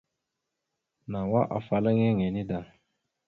Nawa afalaŋa yaŋ enida.